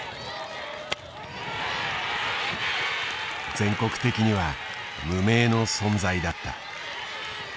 全国的には無名の存在だった。